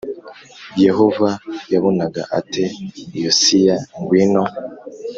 Yehova yabonaga ate Yosiya ngwino